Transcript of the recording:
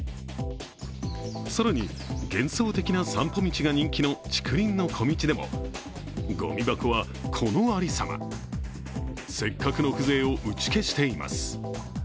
更に、幻想的な散歩道が人気の竹林の小径でも、ごみ箱は、この有様、せっかくの風情を打ち消しています。